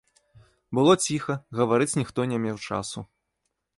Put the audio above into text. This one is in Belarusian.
Было ціха, гаварыць ніхто не меў часу.